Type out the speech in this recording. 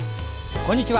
こんにちは。